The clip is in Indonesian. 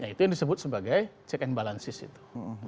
itu yang disebut sebagai check and balances itu